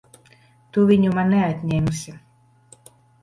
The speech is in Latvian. Tu viņu man neatņemsi!